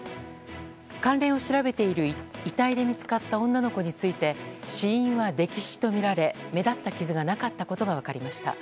関連を調べている遺体で見つかった女の子について死因は溺死とみられ目立った傷はなかったことが分かりました。